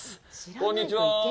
こんにちは。